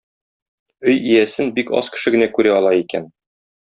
Өй иясен бик аз кеше генә күрә ала икән.